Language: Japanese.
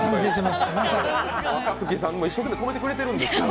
若槻さんも一生懸命止めてくれてるんですけど。